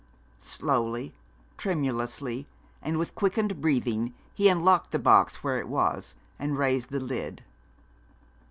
Slowly, tremulously, and with quickened breathing, he unlocked the box where it was, and raised the lid.